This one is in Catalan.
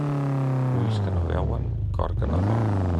Ulls que no veuen, cor que no dol.